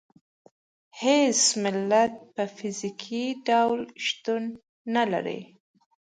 هېڅ ملت په فزیکي ډول شتون نه لري.